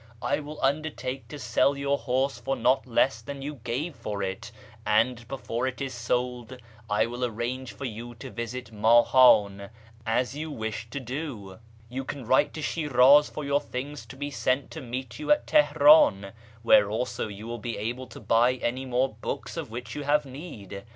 I will undertake to sell your horse for not less than you gave for it, and before it is sold I will arrange for you to visit Mahan, as you wished to do. You can write to Shiraz for your things to be sent to meet you at Teherc4n, where also you will be able to buy any more books of whicli you have need.